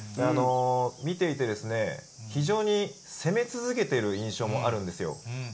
見ていて非常に攻め続けている印象もあるんですよ。